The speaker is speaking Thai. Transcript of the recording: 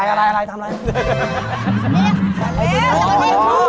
อะไรอะไรทำอะไร